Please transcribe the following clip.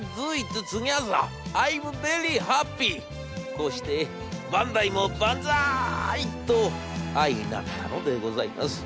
「こうして『バンダイもバンザイ』と相成ったのでございます。